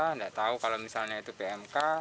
tidak tahu kalau misalnya itu pmk